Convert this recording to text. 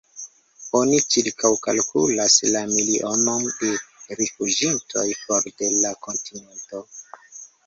Oni ĉirkaŭkalkulas la milionon de rifuĝintoj for de la kontinento.